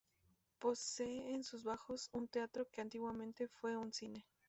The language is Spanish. Posee en sus bajos un teatro que antiguamente fue un cine.